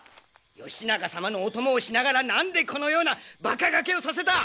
義仲様のお供をしながら何でこのようなバカ駆けをさせた？